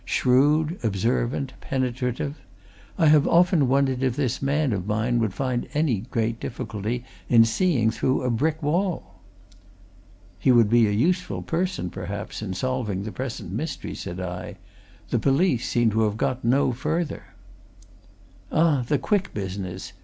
"Shrewd, observant, penetrative. I have often wondered if this man of mine would find any great difficulty in seeing through a brick wall!" "He would be a useful person, perhaps, in solving the present mystery," said I. "The police seem to have got no further." "Ah, the Quick business?"